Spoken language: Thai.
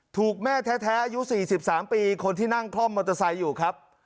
ถูกแม่แท้อายุ๔๓ปีคนที่นั่งคล่อมมอเตอร์ไซค์อยู่ครับ